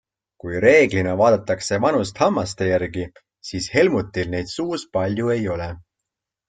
Kui reeglina vaadatakse vanust hammaste järgi, siis Helmutil neid suus palju ei ole.